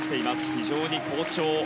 非常に好調。